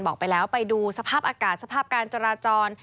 บอกไปแล้วไปดูสภาพอากาศสภาพการจราจร